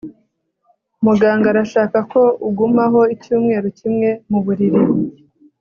Muganga arashaka ko ugumaho icyumweru kimwe mu buriri